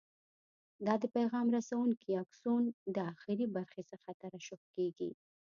دا د پیغام رسونکي آکسون د اخري برخې څخه ترشح کېږي.